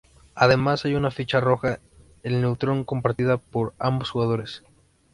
Además hay una ficha roja, el Neutrón, compartida por ambos jugadores.